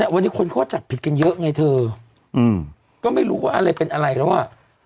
วันนี้คนเขาจับผิดกันเยอะไงเธอก็ไม่รู้ว่าอะไรเป็นอะไรแล้วอ่ะ